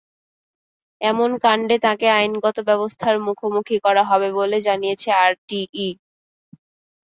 এমন কাণ্ডে তাঁকে আইনগত ব্যবস্থার মুখোমুখি করা হবে বলে জানিয়েছে আরটিই।